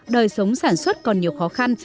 đời sống sản xuất còn nhiều khó khăn